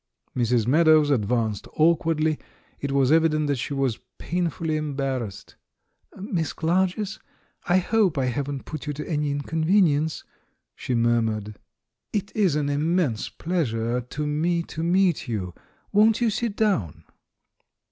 Mrs. Meadows advanced awkwardly; it was evident that she was painfully embarrassed. "Miss Clarges? I hope I haven't put you to any inconvenience?" she murmured. "It is an immense pleasure to me to meet you. Won't you sit down?"